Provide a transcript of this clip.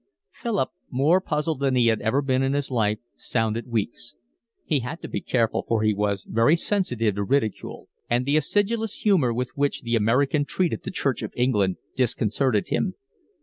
Philip, more puzzled than he had ever been in his life, sounded Weeks. He had to be careful, for he was very sensitive to ridicule; and the acidulous humour with which the American treated the Church of England disconcerted him.